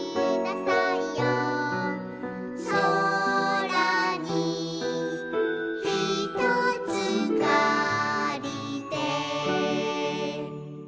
「そらにひとつかりて」